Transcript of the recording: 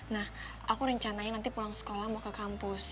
nah aku rencanain nanti pulang sekolah mau ke kampus